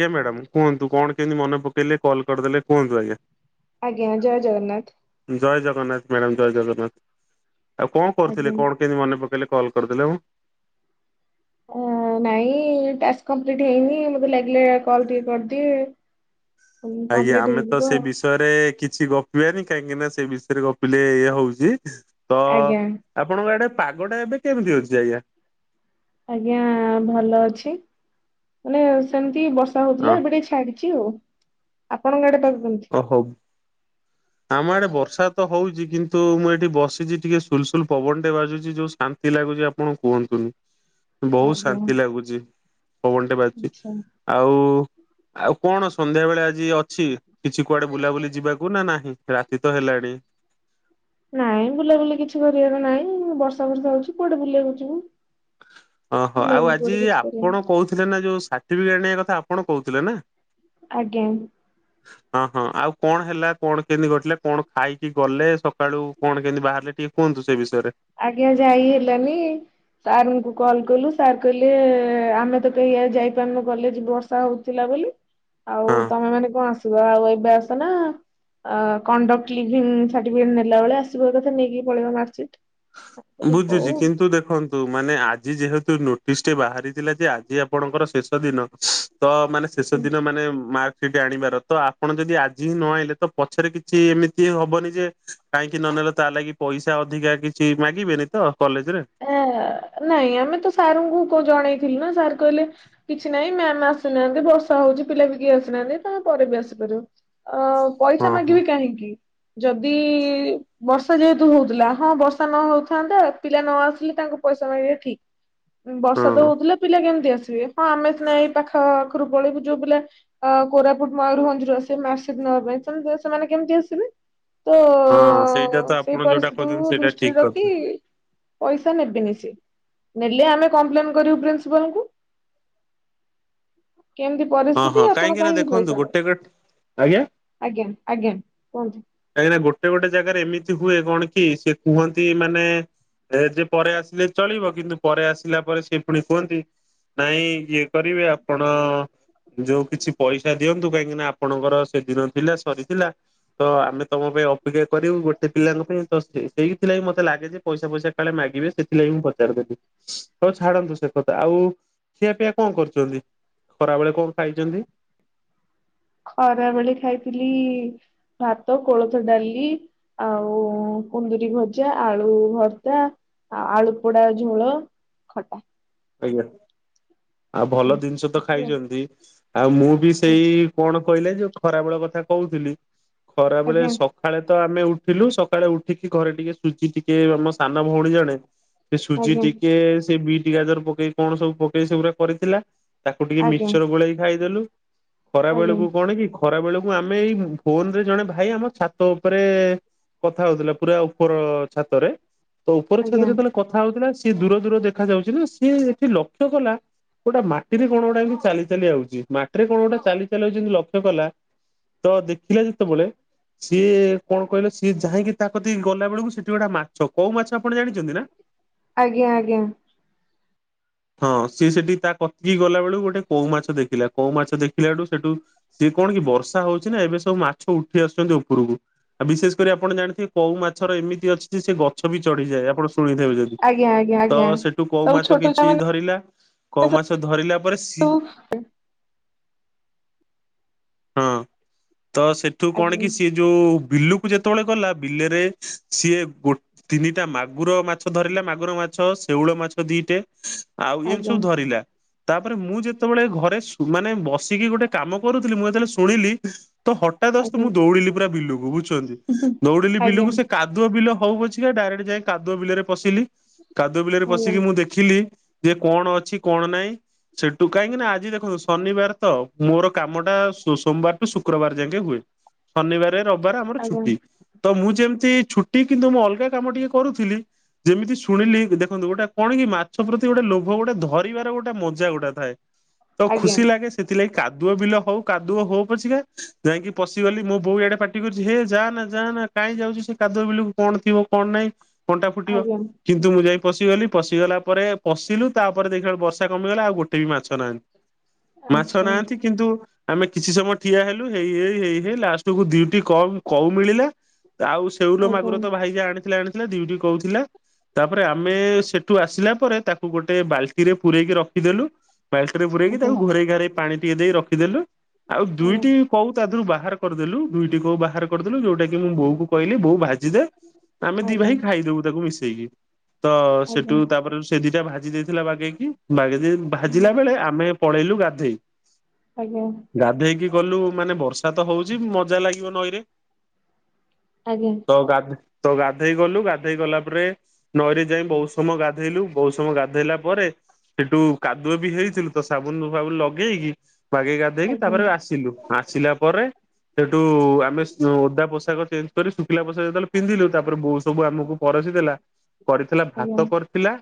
ଆଜ୍ଞା ମ୍ୟାଡାମ କୁହନ୍ତୁ କଣ କେମିତି ମନ ପକେଇଲେ କଲ କରିଦେଲେ କୁହନ୍ତୁ ଆଜ୍ଞା? ଆଜ୍ଞା ଜୟ ଜଗନ୍ନାଥ। ଜୟ ଜଗନ୍ନାଥ ମ୍ୟାଡ଼ାମ ଜୟ ଜଗନ୍ନାଥ ଆଉ କଣ ଆଜ୍ଞା। କରୁଥିଲେ କଣ? କେମିତି ମନେ ପକେଇଲେ କରିଦେଲେ ଆଉ। ନାଇଁ ଟାସ୍କ କମ୍ପ୍ଲିଲିଟ୍ ହେଇନି ମତେ ଲାଗିଲା କଲ ଟିକେ କରିଦିଏ। ଆଜ୍ଞା କମ୍ପ୍ଲିଟ ଆମେ ତ ହେଇଯିବ ସେ ବିଷ। ବିଷୟରେ କିଛି ଗପିବାନି କାହିଁକି ନା ସେ ବିଷୟରେ ଗପିଲେ ଇୟା ହଉଛି ତ। ଆଜ୍ଞା। ଆପଣଙ୍କ ଆଡେ ପାଗଟା ଏବେ କେମିତି ଅଛି ଆଜ୍ଞା। ଆଜ୍ଞା ଭଲ ଅଛି ମାନେ। ସେମିତି ବର୍ଷା ହଁ ହଉଥିଲା ଏବେ ଟିକେ ଛାଡିଚି ଆଉ ଆପଣଙ୍କ ଆଡେ ପାଗ କେମିତି ହଉ। ହଁ ଆମ ଆଡେ ବର୍ଷା ତ ହଉଛି କିନ୍ତୁ ମୁଁ ଏଠି ବସିଛି ଟିକେ ସୁଲସୁଲ ପବନ ଟେ ବାଜୁଛି ଯୋଉ ଶାନ୍ତି। ନ୍ତି ଲାଗୁଛି ଆପଣ କୁହନ୍ତୁନି। [unintelligible] ବହୁତ ଶାନ୍ତି ଲାଗୁଛି ପବନ ଟା ବାଜୁଛି। ଆଚ୍ଛା। ଆଉ ଆଉ କଣ ସନ୍ଧ୍ୟା ବେଳେ ଆଜି ଅଛି। କିଛି କୁଆଡେ ବୁଲାବୁଲି ଯିବାକୁ ନା ନାହିଁ ରାତି ତ ହେଲାଣି ନାଇଁ ବୁଲା ବୁଲି କିଛି କରିବାର ନାଇଁ ବର୍ଷା ଫର୍ଷା ହଉଛି କୁଆଡେ ବୁଲିିବାକୁ ଯିବୁ ଓହୋ ଆଉ ବୁଲାବୁଲି ଆଜି କୁଆଡେ କିଛି କରିବାନି ଆପଣ କହୁଥିଲେ ନା ଯୋଉଁ ସାର୍ଟିଫିକେଟ ନେଇଯିବା କଥା ଆପଣ କହୁଥିଲେ ନା। ଆଜ୍ଞା ହଁ ହଁ ଆଉ କଣ ହେଲା କଣ କେମିତି ଘଟିଲା କଣ ଖାଇକି ଗଲେ ସକାଳୁ କଣ କେମିତି ବାହାରିଲେ ଟିକେ। କୁହନ୍ତୁ ସେ ବିଷୟରେ। ଆଜ୍ଞା ଯାଇ ହେଲାନି। ସାର୍ ଙ୍କୁ କଲ କଲୁ ସାର୍ କହିଲେ ଆମେ ତ କେହି ଯାଇପାରନୁ କଲେଜ ବର୍ଷା। ବର୍ଷା ହଉଥିଲା ବୋଲି ଆଉ ହଁ। ତମେ ମାନେ କଣ ଆସିବ ଆଉ ଏବେ ଆସନା। କଣ୍ଡକ୍ଟ ଲିଭିଙ୍ଗ୍ ସାର୍ଟିଫିକେଟ୍ ନେଲା ବେଳେ ଆସିବ ଏକା ଥରେ ନେଇକି ପଳେଇବ ମାର୍କସିଟ୍। ବୁଝିଛି କିନ୍ତୁ ଦେଖନ୍ତୁ। ମାନେ ଆଜି ଯେହେତୁ ନୋଟିସ୍ ଟେ ବାହାରିଥିଲା ଯେ ଆଜି ଆପଣଙ୍କର ଶେଷ ଦିନ ତ ମାନେ। ଆଜ୍ଞା। ସେଦିନ ମାନେ ମା। ସେଇଠି ଆଣିବାର ତ ଆପଣ ଯଦି ଆଜି ହିଁ ନ ଆଇଲେ ତ ପଛରେ କିଛି ଏମିତି ହବନି ଯେ। କାହିଁକି ନ ନେଲ ତା ଲାଗି ପଇସା ଅଧିକା କିଛି ମାଗିବେନି ତ କଲେଜ ରେ। ଆ ନାଇଁ ଆମେ ତ ସାରଙ୍କୁ ଜଣେଇଥିଲୁ ନା ସାର୍ କହିଲେ। କିଛି ନାହିଁ ମ୍ୟାମ୍ ଆସିନାହାନ୍ତି ବର୍ଷା ହଉଛି ପିଲା ବି କେହି ଆସିନାହାନ୍ତି ତା ପରେବି ଆସିପାରିବ। ହଁ ପଇସା ହଁ ହଁ ମାଗିବେ କାହିଁକି। ଯଦି ବର୍ଷା ଯେହେତୁ ହଉଥିଲା ହଁ ବର୍ଷା ନ ହଉଥାନ୍ତା ପିଲା ନ ଆସିଲେ ତାଙ୍କୁ ପଇସା ମାଗିବେ ଠିକ୍ ବର୍ଷା ତ ହଁ ହଉଥିଲା ପିଲା କେମିତି ଆସିବେ। ହଁ ଆମେ ସିନା ଏଇ ପାଖ ଆଖରୁ ପଳେଇବୁ ଯୋଉଁ ପିଲା। ହଁ କୋରାପୁଟ ମୟୂରଭଞ୍ଜ ରୁ ଆସିବେ ମାର୍କସିଟ୍ ନେବାପାଇଁ ସେମାନେ ସେମାନେ କେମିତି ଆସିବେ। ତ ହଁ ସେଇଟା ତ ଆପଣ ସେଇ ଯୋଉଟା କହୁଛନ୍ତି ପରିସ୍ଥିତିକୁ ସେଇଟା ଦୃଷ୍ଟିରେ ଠିକ ରଖି କଥା ପଇସା ନେବେନି ସେ ନେଲେ ଆମେ କମ୍ପ୍ଲେନ୍ କରିବୁ ପ୍ରିନ୍ସିପାଲ ଙ୍କୁ। କେମିତି। ହଁ ପରିସ୍ଥିତି ହଁ ଆପଣ ନା କାହିଁକି ଦେଖନ୍ତୁ ପଇସା ଗୋଟେ ଆଜ୍ଞା ନେବେ ଆଜ୍ଞା ଆଜ୍ଞା କୁହନ୍ତୁ କାହିଁକିନା ଗୋଟେ ଗୋଟେ ଜାଗାରେ ଏମିତି ହୁଏ କଣ କି ସେ କୁହନ୍ତି ମାନେ। ଏ ଯେ ପରେ ଆସିଲେ ଚଳିବ କିନ୍ତୁ ପରେ ଆସିଲା ପରେ ସେ ପୁଣି କୁହନ୍ତି ନାଇଁ ଇଏ। କରିବେ ଆପଣ। ଯୋଉଁ କିଛି ପଇସା ଦିଅନ୍ତୁ କାହିଁକିନା ଆପଣଙ୍କର ସେଦିନ ଥିଲା ସରିଥିଲା। ତ ଆମେ ତମ ପାଇଁ ଅପେକ୍ଷା କରିବୁ ଗୋଟେ ପିଲାଙ୍କ ପାଇଁ ତ ସେଇଥିଲାଗି ମତେ ଲାଗେ ଯେ। ପଇସା ଫଇସା କାଳେ ମାଗିବେ ସେଥିଲାଗି ମୁଁ ପଚାରିଦେଲି ହଉ ଛାଡନ୍ତୁ ସେ କଥା ଆଉ। ଖିଆ ପିଆ କଣ କରିଛନ୍ତି ଖରା ବେଳେ କଣ ଖାଇଛନ୍ତି। ଖରାବେଳେ ଖାଇଥିଲି ଭାତ କୋଳଥ ଡାଲି। ଆଉ କୁନ୍ଦୁରି ଭଜା ଆଳୁ ଭତ୍ତା। ଆଉ ଆଳୁ ପୋଡା ଝୋଳ ଖଟା। ଆଜ୍ଞା ଆଉ ଭଲ ଜିନିଷ ତ ଖାଇଛନ୍ତି ଆଉ ମୁଁ ବି ସେଇ କଣ କହିଲେ ଯୋଉ ଖରାବେଳେ କଥା କହୁଥିଲି ଖରାବେଳେ ଆଜ୍ଞା ସ ସକାଳେ ତ ଆମେ ଉଠିଲୁ ସକାଳେ ଉଠିକି ଘରେ ଟିକେ ସୁଜି ଟିକେ ଆମ ସାନ ଭଉଣୀ ଜଣେ ସେ ସୁଜି ଆଜ୍ଞା ଟିକେ ସେ ବିଟ ଗାଜର ପକେଇ କଣ ସବୁ ପକେଇ ସେଗୁରା କରିଥିଲା। ତାକୁ ଟିକେ ଆଜ୍ଞା ମିିଚ୍ଚର୍ ଗୋଳେଇକି ଖାଇଦେଲୁ। ଖରା ଆଜ୍ଞା ବେଳକୁ କଣ କି ଖରା ବେଳକୁ ଆମେ ଏଇ ଫୋନ ରେ ଜଣେ ଭାଇ ଆମ ଛାତ ଉପରେ କଥା ହଉଥିଲା ପୁରା ଉପର ଛାତରେ ତ ଉପର ଛାତରେ ଯେତେବେଳେ ଆଜ୍ଞା କଥା ହଉଥିଲା ସିଏ ଦୂର ଦୂର ଦେଖା ଯାଉଛି ନା ସିଏ ଏଠି ଲକ୍ଷ୍ୟ କଲା ଗୋଟେ ମାଟିରେ କଣ ଗୋଟେ ଏମିତି ଚାଲି ଚାଲି ଆଉଛି ମାଟିରେ କଣ ଗୋଟେ ଚାଲି ଚାଲି ଆଉ ଯେମିତି ଲକ୍ଷ୍ୟ କଲା। ତ ଦେଖିଲା ଯେତେବେଳେ ସିଏ କଣ କହିଲ ସିଏ ଯାଇକି ତା କତି ଗଲା ବେଳକୁ ସେଠି ଗୋଟେ ମାଛ କଉ ମାଛ ଆପଣ ଜାଣିଛନ୍ତି ନା? ଆଜ୍ଞା ଆଜ୍ଞା। ହଁ ସିଏ ସେଠି ତା କତିକି ଗଲା ବେଳୁ ଗୋଟେ କୋଉ ମାଛ ଦେଖିଲା କଉ ମାଛ ଦେଖିଲା ଠୁ ସେଠୁ ସେ କଣ କି ବର୍ଷା ହଉଛି ନା ଏବେ ସବୁ ମାଛ ଉଠି ଆସୁଛନ୍ତି ଉପୁରୁକୁ। ଆଉ ବିଶେଷ କରି ଆପଣ ଜାଣିଥିବେ କୋଉ ମାଛର ଏମିତି ଅଛି ଯେ ସେ ଗଛ ବି ଚଢିଯାଏ ଆପଣ ଶୁଣିିଥିବେ ଯଦି ଆଜ୍ଞା ଆଜ୍ଞା ଆଜ୍ଞା ତ ଆଜ୍ଞା ସେଠୁ କଉ ସବୁ ମାଛ ଛୋଟ ଛୁଆ କିଛି ମାନେ ଧରିଲା କଉ ମାଛ ଧରିଲା ପରେ ସି ସବୁ ହଁ ତ ସେଠୁ କଣ ଆଜ୍ଞା କି ସି ଯୋଉ ବିଲକୁ ଯେତେବେଳେ ଗଲା ବିଲରେ ସି ଗୋ ତିନିଟା ମା ମାଗୁର ମାଛ ଧରିଲା ମାଗୁର ମାଛ ଶେଉଳ ମାଛ ଦିଟେ ଆଉ ଏମିତି ଆଜ୍ଞା ସବୁ ଧରିଲା। ତାପରେ ମୁଁ ଯେତେବେଳେ ଘରେ ସୂ ମାନେ ବସିକି ଗୋଟେ କାମ କରୁଥିଲି ମୁଁ ଯେତେବେଳେ ଶୁଣିଲି। ତ ହଠାତ୍ ଆଜ୍ଞା ମୁଁ ଦୌଡିଲି ପୁରା ବିଲୁକୁ ବୁଝୁଛନ୍ତି ଦୌଡିଲି ଆଜ୍ଞା ବିଲୁକୁ ସେ କା କାଦୁଅ ବିଲ ହଉ ପଛିକା ଡାଇରେକ୍ଟ ଯାଇ କାଦୁଅ ବିଲରେ ପଶିଲି କାଦୁଅ ବିଲରେ ପସି ଆଜ୍ଞା ଦେଖିଲି ଯେ କଣ ଅଛି କଣ ନାଇଁ ସେଠୁ କାହିଁକି ନା ଆଜି ଦେଖନ୍ତୁ ଶନିବାର ତ ମୋର କାମ ଟା ସୋମବାର ରୁ ଶୁକ୍ରବାର ଯାକେ ହୁଏ। ଶନିବାର ରବିବାର ଆମର ଆଜ୍ଞା ଛୁଟି। ତ ମୁଁ ଯେମିତି ଛୁଟି କିନ୍ତୁ ମୁଁ ଅଲଗା କାମ ଟିକେ କରୁଥିଲି ଯେମିତି ଶୁଣିଲି ଦେଖନ୍ତୁ ଗୋଟେ କଣ କି ମାଛ ପ୍ରତି ଗୋଟେ ଲୋଭ ଗୋଟେ ଧରିବାର ଗୋଟେ ମଜା ଗୋଟେ ଥାଏ ତ ଆଜ୍ଞା ଖୁସି ଲାଗେ ସେଥିଲାଗି କାଦୁଅ ବିଲ ହଉ କାଦୁଅ ହଉ ପଛିକା। ଯାଇକି ପଶି ଗଲି ମୋ ବୋଉ ଏଡେ ପାଟି କରୁଛି ହେ ଯା ନା ଯା ନା କାଇଁ ଯାଉଛି ସେ କାଦୁଅ ବିଲକୁ। କଣ ଥିବ କଣ ନାଇଁ କଣ୍ଟା ଫୁଟିବ ଆଜ୍ଞା କିନ୍ତୁ ମୁଁ ଯାଇ ପଶିଗଲି। ପଶିଗଲା ପରେ ପଶିଲୁ ତାପରେ ଦେଖିଲା ବେଳକୁ ବର୍ଷା କମିଗଲା ଆଉ ଗୋଟେ ବି ମାଛ ନାହାନ୍ତି। ମାଛ ଆଚ୍ଛା ନାହାନ୍ତି କି କିନ୍ତୁ ଆମେ କିଛି ସମୟ ଠିଆ ହେଲୁ ହେଇ ହେଇ ହେଇ ହେଇ ଲାଷ୍ଟକୁ ଦିଟି କଉ କଉ ମିଳିଲେ। ଆଉ ସେଉଲ ମାଗୁର ତ ଆଜ୍ଞା ଭାଇ ଯା ଆଣିଥିଲେ ଆଣିଥିଲେ ଦିଟି କଉଥିଲା ତାପରେ ଆମେ ସେ ଠୁ ଆସିଲା ପରେ ତାକୁ ଗୋଟେ ବାଲ୍ଟି ରେ ପୁରରେକି ରଖିଦଲୁ ବାଲଟିରେ ପୁରରେଇକି ତାକୁ ଘରେଇ ଘାରେଇ ପାଣି ଟିକେ ଦେଇ ରଖିଦେଲୁ ଆଉ ଆଜ୍ଞା ଦୁଇଟି କୋଉ ତା ଦେହରୁ ବାହାର କରିଦେଲୁ ଦୁଇଟି କୋଉ ବାହାର କରିଦେଲୁ ଯୋଉଟା କି ମୁଁ ବଉ କହିଲି ବଉ ଭା ଜିଦେ ଆମେ ଦି ଆଜ୍ଞା ଭାଇ ଖାଇଦବୁ ତାକୁ ମିଶେଇକି ତ ଆଜ୍ଞା ସେ ଆଜ୍ଞା ତାପରେ ସେ ଦିଟା ଭାଜି ଦେଇଥିଲା ବାଗେଇକି ବଗେଇ ହୁଁ ଭାଜିଲା ବେଳେ ଆମେ ପଳେଇଲୁ ଗାଧେଇ। ଆଜ୍ଞା। ଗାଧେଇକି ଗଲୁ ମାନେ ବର୍ଷା ତ ହଉଛି ମଜା ଲାଗିବ ନଈରେ। ଆଜ୍ଞା। ତ ଗାଧେ ତ ଗାଧେଇ ଗଲୁ ଗାଧେଇ ଗଲା ପରେ ନଈରେ ଯାଇ ବହୁ ସମୟ ଗାଧେଇଲୁ ବହୁତ ସମୟ ଗାଧେଇଲା ପରେ ସେଠୁ କାଦୁଅ ବି ହେଇଥିଲୁ ତ ସାବୁନ ଫାବୁନା ଲଗେଇକି ବାଗେଇ କି ଗା ଧେଇକି ଆଜ୍ଞା ତାପରେ ଆସିଲୁ ଆସିଲା ପରେ ସେଠୁ ଆମେ ଓଦା ପୋଷାକ ଚେଞ୍ଜ କରି ଶୁଖିଲା ପୋଷାକ ଯେତେବେଳେ ପିନ୍ଧିଲୁ ତାପରେ ବହୁ ସବୁ ଆମକୁ ପରସି ଦେଲା କରିଥିଲା ଆଜ୍ଞା ଭାତ କରିଥିଲା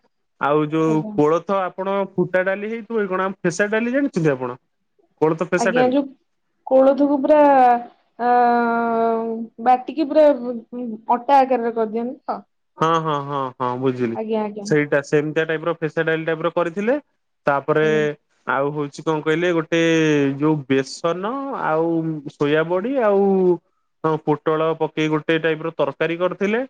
ଆଉ ଯୋଉ ଆଜ୍ଞା କୋଳଥ ଆପଣ ଫୁଟା ଡାଲି ହେଇଥିବ କଣ ଫେସା ଡାଲି ଜାଣିଛନ୍ତି ଆପଣ? କୋଳଥ ଫେସା ଆଜ୍ଞା ଡାଲି ଯୋଉ କୋଳଥକୁ ପୁରା ଅ, ବାଟିକି ପୁରା ଉଁ, ଅଟା ଆକାରରେ କରିଦିଅନ୍ତି ତ? ହଁ, ହଁ, ହଁ, ହଁ ବୁଝିଲି, ଆଜ୍ଞା ଆଜ୍ଞା ସେଇଟା ସେମିତିଆ ଟାଇପ୍ ର ଫେସା ଡ଼ାଲି ଟାଇପ୍ ର କରିଥିଲେ। ତାପରେ ଆଜ୍ଞା ଆଉ ହଉଛି କଣ କହିଲେ ଗୋଟେ ଯୋଉ ବେସନ ଆଉ ସୋୟାବଡି ଆଉ ହଁ ପୋଟଳ ପକେଇ ଗୋଟେ ଟାଇପ୍ ର ତରକାରୀ କରିଥିଲେ।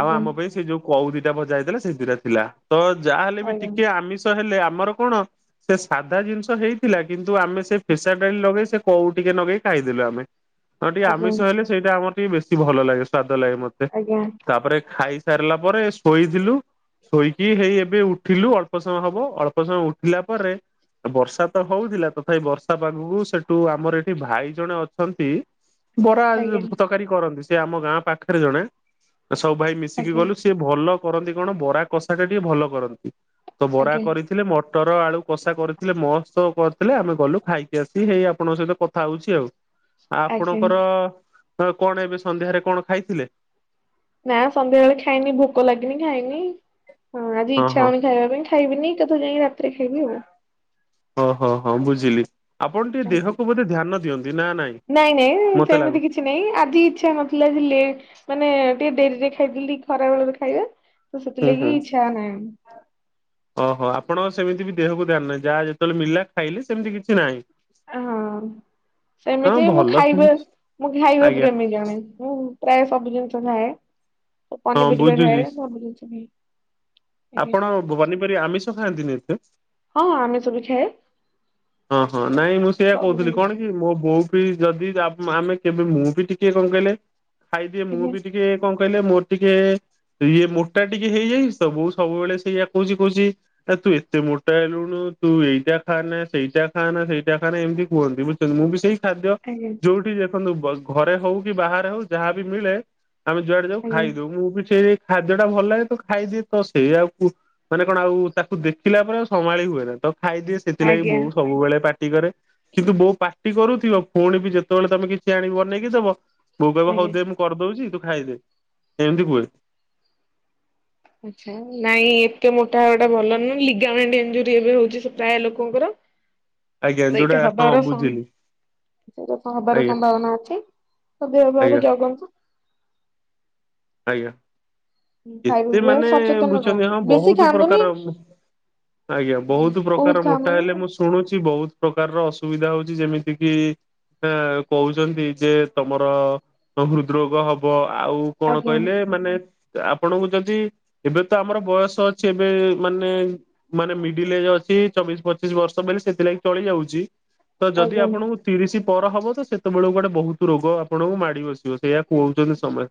ଆଉ ଆମ ପାଇଁ ସେ ଯୋଉ କଉ ଦିଟା ଭଜା ହେଇଥିଲା ସେ ଦିଟା ଥିଲା। ତ ଯାହାହେଲେ ବି ଆଜ୍ଞା ଟିକେ ଆମିଷ ତ ହେଲେ ଆମର କଣ ସେ ସାଧା ଜିନିଷ ହେଇଥିଲା। କିନ୍ତୁ ଆମେ ସେ ପେଶା ଡାଲି ଲଗେଇ ସେ କୋଉ ଟିକେ ନଗେଇ ଖାଇଦେଲୁ ଆମେ। ହଁ ଟିକେ ଆଜ୍ଞା ଆମିଷ ହେଲେ ସେଇଟା ଆମର ଟିକେ ବେଶୀ ଭଲ ଲାଗେ ସ୍ଵାଦ ଲାଗେ ମୋତେ। ଜ୍ଞା। ତାପରେ ଖାଇ ସାରିଲା ପରେ ଶୋଇଥିଲୁ। ଶୋଇକି ହେଇ ଏବେ ଉଠିଲୁ ଅଳ୍ପ ସମୟ ହବ, ଅଳ୍ପ ସମୟ ଉଠିଲା ପରେ ଏ ବର୍ଷା ତ ହଉଥିଲା, ତଥାପି ବର୍ଷା ପାଗକୁ ସେଟୁ ଆମର ଏଠି ଭାଇ ଜଣେ ଅଛନ୍ତି। ବରା ଆଉ ଆଜ୍ଞା ଯୋଉ ତରକାରୀ କରନ୍ତି। ସେ ଆମ ଗାଁ ପାଖରେ ଜଣେ। ଏ ସବୁ ଭାଇ ଆଜ୍ଞା ମିଶିକି ଆଜ୍ଞା ଗଲୁ, ସିଏ ଭଲ କରନ୍ତି କଣ ବରା କଷା ଟା ଟିକେ ଭଲ କରନ୍ତି। ତ ବରା ଆଜ୍ଞା କରି ଥିଲେ, ମଟର ଆଳୁ କଷା କରିଥିଲେ, ମସ୍ତ କରିଥିଲେ। ଆମେ ଗଲୁ ଖାଇକି ଆସି, ହେଇ ଆପଣଙ୍କ ସହିତ କଥା ହଉଛି ଆଉ। ଆ, ଆଜ୍ଞା ଆପଣଙ୍କର ତ କଣ ଏବେ ସନ୍ଧ୍ୟାରେ କଣ ଖାଇଥିଲେ? ନା ସନ୍ଧ୍ୟାବେଳେ ଖାଇନି, ଭୋକ ଲାଗିନି ଖାଇନି, ହଁ ଆଜି ଇଚ୍ଛା ହଉନି ଖାଇବା ପାଇଁ। ଖାଇବିନି ଏକାଥରେ ଯାଇକି ରାତିରେ ଖାଇବି ଆଉ। ଓହୋ, ହଁ ବୁଝିଲି, ଆପଣ ଟିକେ ଆଜ୍ଞା। ଦେହକୁ ବୋଧେ ଧ୍ୟାନ ଦିଅନ୍ତି ନା ନାଇଁ? ନାଇଁ ନାଇଁ ମତେ ସେମିତି ଲାଗୁଛି। କିଛି ଛି ନାଇଁ ଆଜି ଇଚ୍ଛା ନଥିଲା ଆଜି ଲେଟ୍ ମାନେ ଟିକେ ଡେରିରେ ଖାଇଥିଲି ଟି ଖରା ବେଳର ଖାଇବା। ତ ହୁଁ ହୁଁ ସେଥିଲାଗି ଇଚ୍ଛା ଆଉ ନାଇ। ଓହୋ, ଆପଣ ସେମିତି ବି ଦେହକୁ ଧ୍ୟାନ ନାହିଁ। ଯାହା ଯେତେବେଳେ ମିଳିଲା ଖାଇଲେ ସେମିତି କିଛି ନାହିଁ। ଏ ହଁ ହଁ ସେମିତି ମୁଁ ଭଲ ଖାଇବା, ସେମିତି ମୁଁ ଖାଇବା ଆଜ୍ଞା ପ୍ରେମୀ ଜଣେ। ମୁଁ ପ୍ରାୟ ସବୁ ଜିନିଷ ଖାଏ, ତ ହଁ ପନିପରିବା ଖାଏ, ବୁଝୁଛି ସବୁ ଜିନିଷ ଖାଏ। ଆଜ୍ଞା ଆପଣ ପନିପରିବା, ଆମିଷ ଖାଆନ୍ତିନି ଏତେ? ହଁ ଆମିଷ ବି ଖାଏ। ହଁ, ହଁ ନାଇଁ ମୁଁ ସେଇଆ ସବୁ କହୁଥିଲି କଣ ଆଜ୍ଞା କି ମୋ ବୋଉ କି ଯଦି ଯା-ମା-ଆମେ କେବେ ମୁଁ ବି ଟିକେ କଣ କହିଲେ ଖାଇଦିଏ। ମୁଁ ବି ଟିକେ କଣ କହିଲେ ମୋର ଟିକେ ଇଏ ମୋଟା ଟିକେ ହେଇଯାଇଚି ତ, ବୋଉ ସବୁବେଳେ ସେଇଆ କହୁଚି କହୁଚି ଏ ତୁ ଏତେ ମୋଟା ହେଲୁଣୁ ତୁ ଏଇଟା ଖାଆ ନା ସେଇଟା ଖାଆନା ସେଇଟା ଖାଆନା ଏମିତି କୁହନ୍ତି। ବୁଝୁଛନ୍ତି, ମୁଁ ବି ସେଇ ଖାଦ୍ୟ ଆଜ୍ଞା ଯୋଉଠି ଯେ ଦେଖନ୍ତୁ ଗ-ଘରେ ହଉ କି ବାହାରେ ହଉ ଯାହାବି ମିଳେ। ଆମେ ଯୁଆଡେ ଯାଉ ଆଜ୍ଞା ଖାଇଦଉ। ମୁଁ ବି ସେଇ ଖାଦ୍ୟ ଟା ଭଲ ଲାଗେ ତ ଖାଇଦିଏ। ତ ସେଇଆକୁ ମାନେ କଣ ଆଉ ତାକୁ ଦେଖିଲା ପରେ ଆଉ ସମ୍ଭାଳି ହୁଏନା ତ ଖାଇଦିଏ। ସେଥିଲାଗି ଆଜ୍ଞା ବୋଉ ସବୁବେଳେ ପାଟି କରେ। କିନ୍ତୁ ବୋଉ ପାଟି କରୁଥିବ, ପୁଣି ବି ଯେତେବେଳେ ତୋମେ କିଛି ଆଣି ବନେଇକି ଦବ ବୋଉ କହିବ ହଉ ଆଜ୍ଞା। ଦେ ମୁଁ କରିଦଉଚି। ତୁ ଖାଇଦେ, ଏମିତି କୁହେ। ଆଚ୍ଛା, ନାଇଁ ଏତେ ମୋଟା ହବାଟା ଭଲ ନୁହଁ। ଲିଗାମେଣ୍ଟ ଏଞ୍ଜୋରି ଏବେ ହଉଛି ସେ ପ୍ରାୟ ଲୋକଙ୍କର। ଆଜ୍ଞା ସେଇଟା ଯୋଉଟା ହଁ ହବାର ସଙ୍ଗ ବୁଝିଲି [unintelligible] ହବାର ଆଜ୍ଞା ସମ୍ଭାବନା ଅଛି। ତ ଦେହ ପାଆ କୁ ଆଜ୍ଞା ଜଗନ୍ତୁ। ଆଜ୍ଞା, ଖାଇବା ଏତେ ପିଇବା ମାନେ ସଚେତନ ବୁଝୁଛନ୍ତି ରୁହନ୍ତୁ ହଁ ବେଶୀ ବହୁତ ଖାଆନ୍ତୁନି। ପ୍ରକାର ର ଆଜ୍ଞା ବହୁତ ପ୍ରକାର ମୋଟା ହେଲେ ମୁଁ ସୁ ଶୁଣୁଛି ବହୁତ ପ୍ରକାରର ଅସୁବିଧା ହଉଛି, ଯେମିତି କିି ଏ, କହୁଛନ୍ତି ଯେ ତୋମର ହୃଦରୋଗ ହବ, ଆଉ କଣ ଆଜ୍ଞା କହିଲେ ମାନେ ତ ଆପଣଙ୍କୁ ଯଦି ଏବେ ତ ଆମର ବୟସ ଅଛି, ଏବେ ମାନେ ମାନେ ମିଡିଲ ଏଜ ଅଛି ଚବିଶ ପଚିଶ ବର୍ଷ ବୋଲି ସେଥିଲାଗି ଚଳି ଯାଉଛି। ତ ଯଦି ଆଜ୍ଞା ଆପଣଙ୍କୁ ତିରିଶ ପର ହବ ତ ସେ ସେତେବେଳକୁ କୁଆଡେ ବହୁତ ରୋଗ ଆପଣଙ୍କୁ ମାଡି ବସିବ ସେଇୟା କୁହୁଛନ୍ତି ସମୟେ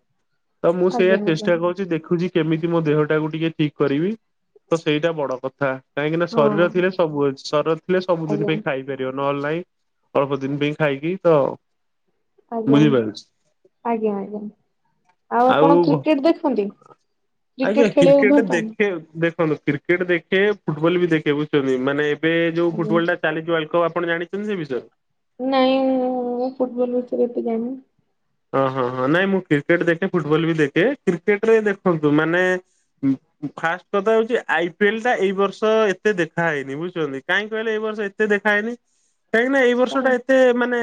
ତ ମୁଁ ସେଇଆ ଆଜ୍ଞା ଚେଷ୍ ଆଜ୍ଞା ଦେଖୁଛି କେମିତି ମୋ ଦେହ ଟାକୁ ଟିକେ ଠିକ କରିବି। ତ ସେଇଟା ବଡ କଥା କାହିଁକି ନା ଶରୀର ହଁ ଥିଲେ ସବୁଅଛି ଶରୀର ଥିଲେ ଆଜ୍ଞା ସବୁଦିନ ପାଇଁ ଖାଇବି। ପାରିବ ନହେଲେ ନାଇଁ ଅଳ୍ପ ଦିନ ପାଇଁ ଖାଇକି ତ ଆଜ୍ଞା ବୁଝିପାରୁଛି ଆଜ୍ଞା ଆଜ୍ଞା ଆଉ ଆପଣ କ୍ରିକେଟ ଦେଖନ୍ତି? ଆଜ୍ଞା କ୍ରିକେଟ ଖେଳିବାକୁ ଭଲ କ୍ରିକେଟ ପାଆନ୍ତି? ଦେଖେ ଦେଖନ୍ତୁ କ୍ରି କ୍ରିକେଟ୍ ଦେଖେ ଫୁଟବଲ ବି ଦେଖେ ବୁଝୁଛନ୍ତି ମାନେ ଏବେ ଯଉ ଆଜ୍ଞା ଫୁଟବଲ୍ ଟା ଚାଲିଚି ୱାଲଡକପ ଆପଣ ଜାଣିଛନ୍ତି ସେ ବିଷୟରେ? ନାଇଁ ମୁଁ ଫୁଟବଲ ବିଷରେ କଏତେ ଜାଣିନି। ହଁ ହଁ ହଁ ନାଇଁ ମୁଁ କ୍ରିକେଟ ଦେଖେ ଫୁଟବଲ ବି ଦେଖେ କ୍ରିକେଟ ରେ ଦେଖନ୍ତୁ ମାନେ ଫାଷ୍ଟ କଥା ହଉଛି ଆଇ ପି ଏଲ ଟା ଏଇର୍ଷ ଏତେ ଦେଖା ହେଇନି ବୁଝିଛନ୍ତି କାହିଁକି କହିଲେ ଏଇ ବର୍ଷ ଏତ ତେ ଦେଖାହେଇନି କାହିଁକି ନା ଏଇ ଇ ବର୍ଷଟା କାଇଁ ଏତେ ମାନେ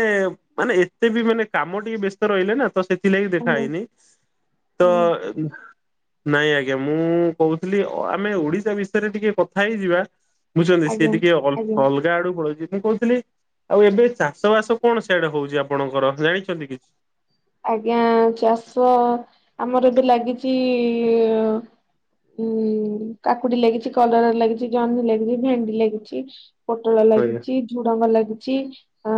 ମାନେ ଏତେ ବି ମାନେ କାମ ଟିକେ ବ୍ୟସ୍ତ ରହିଲେ ନା ତ ସେ ଥିଲାଗି ଦେଖା ଆଜ୍ଞା। ହେଇନି ତ ଆଜ୍ଞା। ନାଇଁ ଆଜ୍ଞା ମୁଁ କହୁଥିଲି ଆମେ ଓଡିଶା ବିଷୟରେ ଟିକେ କଥା ହେଇଯିବା ବୁଝଛନ୍ତି ସିଏ ଆଜ୍ଞା ଟିକେ ଅ ଆଜ୍ଞା ଅଲଗା ଆଡୁ ପଳାଉଛି ମୁଁ କହୁଥିଲି ଆଉ ଏବେ ଚାଷ ବାସ କଣ ସିଆଡେ ହଉଛି ଆପଣଙ୍କର ଜାଣିଛନ୍ତି କିଛି? ଆଜ୍ଞା ଚାଷ ଆମର ଏବେ ଲାଗିଛି ଇ ଅ ଉଁ କାକୁଡି ଲାଗିଛି କଲର ଲାଗିଛି ଜହ୍ନି ଲାଗିଛି ଭେଣ୍ଡି ଲାଗିଛି। ପୋଟଳ ଆଜ୍ଞା ଲାଗିଛି। ଝୁଡଙ୍ଗ ଲାଗିଛି ଆ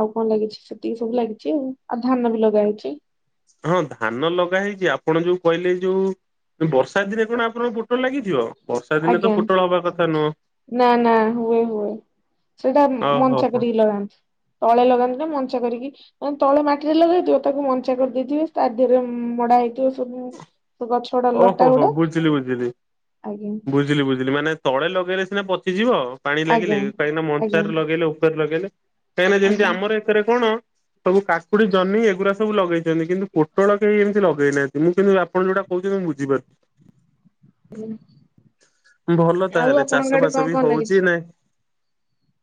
ଆଉ କଣ ଲାଗିଛି ସେତିକି ସବୁ ଲାଗିଛି ଆଉ ଧାନ ବି। ଲଗା ହେଇଛି। ହଁ ଧାନ ଲଗା ହେଇଛି ଆପଣ ଯୋଉ କହିଲେଏଇ ଯୋଉ ବର୍ଷା ଦିନେ କଣ ଆପଣଙ୍କ ପୋଟଳ ଲାଗିଥିବ। ବର୍ଷା ଦିନେ ତ ଆଜ୍ଞା ପୋଟଳ ହବା କଥା ନୁହଁ। ନା ନା ହୁଏ ହୁଏ। ସେଟା ଓହୋ ମଞ୍ଚା ହୋ କରିକି ଲଗାନ୍ତି ତଳେ ଲଗାନ୍ତି ନା ମଞ୍ଚା କରିକି ମାନେ ତଳେ ମାଟିରେ ଲଗାହେଇଥିବ ତାକୁ ମଞ୍ଚା କରିଦେଇଥିବେ ତା ଦେହରେ ମଡା ହେଇଥିବ ସବୁ ଗଛ ଗୁଡା ଓହୋ ଲଟା ହୋ ଗୁଡା ବୁଝିଲି ବୁଝିଲି ଆଜ୍ଞା ବୁ ବୁଝିଲି ବୁଝିଲି ମାନେ ତଳେ ଲଗେଇଲେ ସିନା ପଚିଯିବ ପାଣି ଆଜ୍ଞା ଲାଗିଲେ କାହିଁକିନା ଆଜ୍ଞା ମଞ୍ଛାରେ ଲଗେଇଲେ ଉପରେ ଲଗେଇଲେ କାହିଁକିନା ଯେମିତି ଆଜ୍ଞା। ଆମର ଏଥିରେ କଣ ସବୁ କାକୁଡି ଜହ୍ନି ଏଗୁରା ସବୁ ଲଗେଇଛନ୍ତି କିନ୍ତୁ ପୋଟଳ କେହି ଏମିତି ଲଗେଇନାହାଁନ୍ତି ମୁଁ କିନ୍ତୁ ଆପଣ ଯୋଉଟା କଉଛନ୍ତି ମୁଁ ବୁଝିପାରୁଛି। ଭଲ ଆଉ ତାହେଲେ ଆପଣଙ୍କ ଚାଷ ଆଡେ କଣ ବାସ ବି କଣ ଲାଗିଛି? ହଉଚି ନାଇଁ?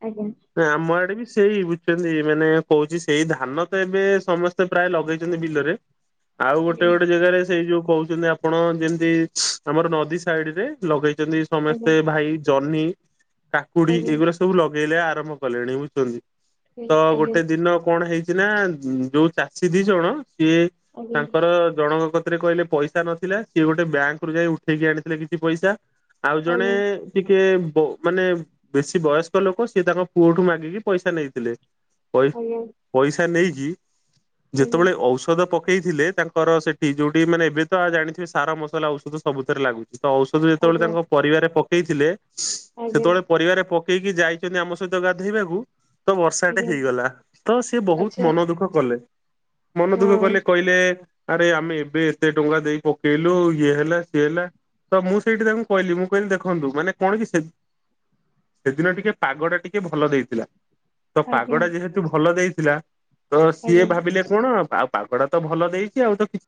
ଆଜ୍ଞା। ଆମ ଆଡେ ବି ସେଇ ବୁଝୁଛନ୍ତି ମାନେ କହୁଛି ସେଇ ଧାନ ତ ଏବେ ସମସ୍ ସ୍ତେ ପ୍ରାୟ ଲଗେଇଛନ୍ତି ବିଲରେ ଆଉ ଗୋଟେ ଗୋଟେ ଆଜ୍ଞା ଜାଗାରେ ସେଇ ଯୋଉ ଆପଣ ଯେମିତି ଆମର ନଦୀ ସାଇଡରେ ଲଗେଇଛନ୍ତି ଆଜ୍ଞା ସମସ୍ତେ ଭାଇ ଜହ୍ନି କାକୁଡି ଆଜ୍ଞା ଏଗୁରା ସବୁ ଲଗେଇଲେ ଆରମ୍ଭ କଲେଣି ବୁଝୁଛନ୍ତି। ତ ଆଜ୍ଞା ଆଜ୍ଞା ଗୋଟେ ଦିନ କଣ ହେଇଛି ନା ଯଉ ଚାଷୀ ଦି ଜଣ ସିଏ ଆଜ୍ଞା। ତାଙ୍କର ଜଣଙ୍କ କତିରେ କହିଲେ ପଇସ ଇସା ନଥିଲା ସିଏ ଗୋଟେ ବ୍ୟାଙ୍କରୁ ଯାଇ ଉଠେଇକି ଆଣିଥିଲେ କିଛି ପଇସା ଆଉ ଜଣେ ଆଜ୍ଞା ଟିକେ ବ ମାନେ ବେଶୀ ବୟସ୍କ ଲୋକ ସିଏ ତାଙ୍କ ପୁଅଠୁ ମାଗିକି ପଇସା ନେଇଥିଲେ। ପଇ ଆଜ୍ଞା ଆଜ୍ଞା ପଇସା ନେଇକି ଯେତେବେଳେ ଔଷଧ ପ ପକେଇ ଥିଲେ ତାଙ୍କର ସେଠି ଯୋଉଠି ମାନେ ଏବେ ତ ଜାଣିଥିବେ ସାର ମସଲା ଔଷଧ ସବୁଥିରେ ଲାଗୁଛି ତଔ ଔଷଧ ଯେତେବେଳେ ଆଜ୍ଞା ତାଙ୍କ ପରିବାରେ ପକେଇଥିଲେ ଆଜ୍ଞା ସେତେବେଳେ ପରିବାରେ ପକେଇକି ଯାଇଛନ୍ତି ଆମ ସହିତ ଗାଧେଇବାକୁ ତ ବର୍ଷାଟେ ଆଜ୍ଞା। ହେଇଗଲା ତ ସିଏ ବହୁତ ଆଚ୍ଛା ମନ ଦୁଃଖ କଲେ। ହଁ ମନଦୁଃଖ କଲେ କହିଲେ ଆରେ ଆମେ ଏବେ ଏତେ ଟଙ୍କା ଦେଇ ପକେଇଲୁ ଇଏ ହେଲା ସିଏ ହେଲା ତ ମୁଁ ସେଇଠି ତାଙ୍କୁ କହିଲି ମୁଁ କହିଲି ଦେଖନ୍ତୁ ମାନେ କଣ କି ସେ ସେଦିନ ଟିକେ ପାଗଟା ଟିକେ ଭଲ ଦେଇଥିଲା। ତ ଆଜ୍ଞା ପାଗଟା ଯେହେତୁ ଭଲ ଦେଇଥିଲା ତ ସିଏ ଆଜ୍ଞା। ଭାବିଲେ କଣ ଆ ପାଗଟା ତ ଭଲ ଦେଇଚି ଆଉ ତ କିଛ୍